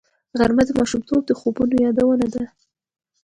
غرمه د ماشومتوب د خوبونو یادونه کوي